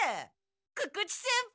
久々知先輩！